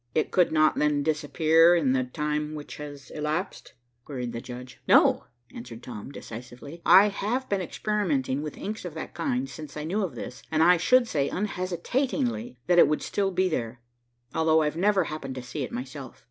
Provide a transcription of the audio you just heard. "It could not, then, disappear in the time which has elapsed?" queried the judge. "No," answered Tom, decisively. "I have been experimenting with inks of that kind since I knew of this, and I should say unhesitatingly that it would still be there, although I've never happened to see it myself.